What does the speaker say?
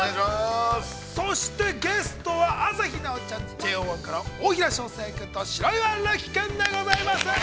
そして、ゲストは、朝日奈央ちゃんに、ＪＯ１から大平祥平君と、白岩瑠姫君です。